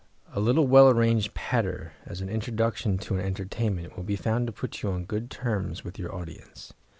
A little well arranged patter as an introductory to an entertainment will be found to put you on good terms with your audience.